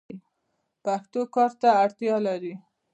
پښتو کار ته اړتیا لري.